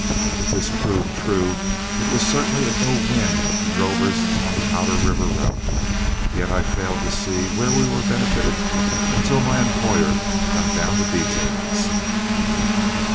If this proved true, it was certainly an ill wind to drovers on the Powder River route; yet I failed to see where we were benefited until my employer got down to details.